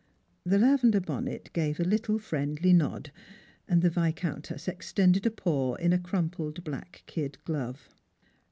The lavender bonnet gave a little friendly nod, and the Viscountess extended a paw in a crumpled black kid glove.